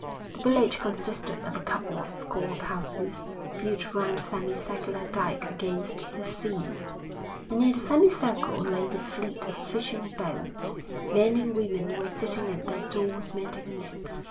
The village consisted of a couple of score of houses, built round a semi circular dyke against the sea, and in the semi circle lay the fleet of fishing boats. Men and women were sitting at their doors mending nets.